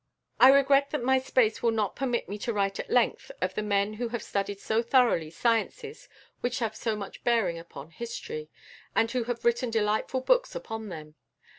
I regret that my space will not permit me to write at length of the men who have studied so thoroughly sciences which have so much bearing upon history, and who have written delightful books upon them.